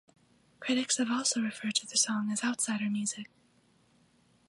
Critics have also referred to the song as outsider music.